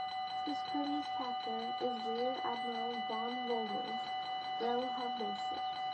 His courteous captor is Rear Admiral Von Vogels (Relja Basic).